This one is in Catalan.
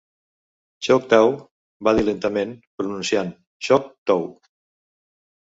Choctaw —va dir lentament, pronunciant “xoc tou”.